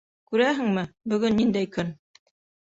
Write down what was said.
Күрәһеңме, бөгөн ниндәй көн!